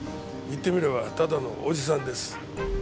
言ってみればただのおじさんです。